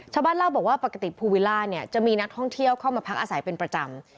ชาวบ้านเล่าบอกว่าปกติภูวิล่าเนี่ยจะมีนักท่องเที่ยวเข้ามาพักอาศัยเป็นประจำ